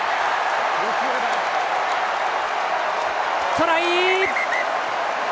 トライ！